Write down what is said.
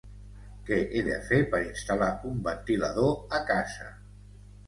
Què he de fer per instal·lar un ventilador a casa?